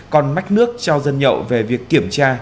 còn mách nước cho dân nhậu về việc kiểm tra